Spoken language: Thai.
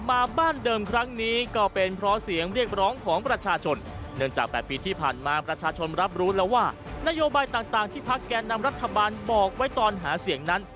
ทางประชาชนรับรู้แล้วว่านโยบายต่างที่พักแกนำรัฐบาลบอกไว้ตอนหาเสียงนั้น